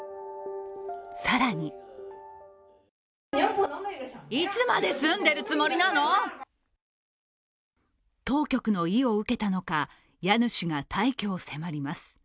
更に当局の意を受けたのか家主が退去を迫ります。